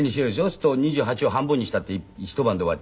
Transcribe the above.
すると２８を半分にしたって一晩で終わっちゃうって。